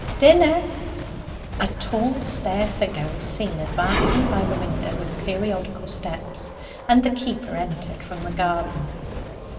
Dinner." A tall spare figure was seen advancing by the window with periodical steps, and the keeper entered from the garden.